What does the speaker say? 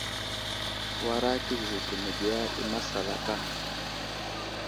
Wara kəziziki məgiya i masalaka.